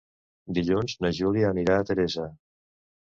Dilluns na Júlia anirà a Teresa.